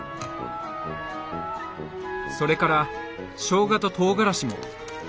それからしょうがととうがらしも。